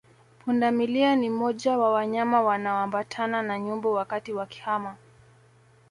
Pundamilia ni moja wa wanyama wanaoambatana na nyumbu wakati wakihama